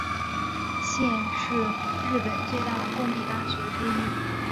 现是日本最大的公立大学之一。